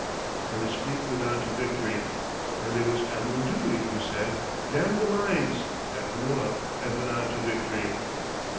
and his fleet went on to victory. And there was Admiral Dewey, who said: "Damn the mines!" at Manilla, and went on to victory.'